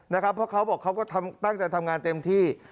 เพราะเขาบอกเขาก็ตั้งใจทำงานเต็มที่